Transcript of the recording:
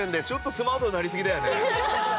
ちょっとスマートになりすぎだよね。